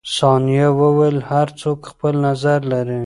ثانیه وویل، هر څوک خپل نظر لري.